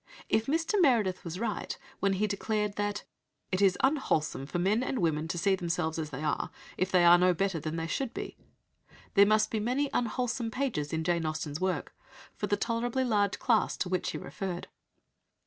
If Mr. Meredith was right when he declared that "it is unwholesome for men and women to see themselves as they are, if they are no better than they should be," there must be many "unwholesome" pages in Jane Austen's work for the tolerably large class to which he referred.